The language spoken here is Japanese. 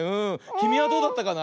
きみはどうだったかな？